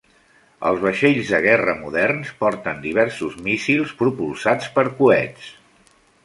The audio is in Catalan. Els vaixells de guerra moderns porten diversos míssils propulsats per coets.